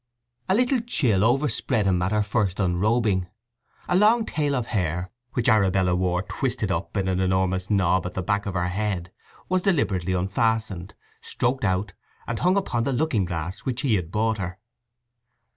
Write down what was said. A little chill overspread him at her first unrobing. A long tail of hair, which Arabella wore twisted up in an enormous knob at the back of her head, was deliberately unfastened, stroked out, and hung upon the looking glass which he had bought her.